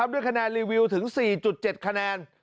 ด้วยคะแนนรีวิวถึง๔๗คะแนน